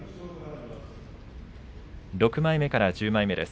６枚目から１０枚目です。